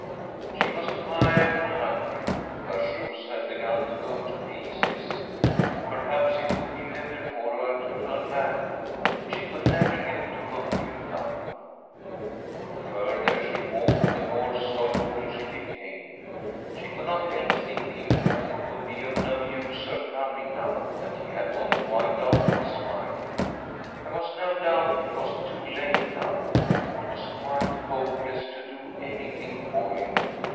She was tired and hungry ; her shoes had be Sn to go to pieces. Perhaps it would be better • her to turn back. She could never get to Munkhyttan. Tlie further she walked, the more sorrowful she became. She could not help thinking that it could be of no use her coming now that he had gone quite out of his mind. There was no doubt it was too late now ; it was quite hopeless to do anything for him.